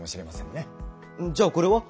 じゃあこれは？